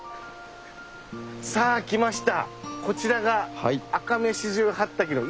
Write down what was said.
さあきました。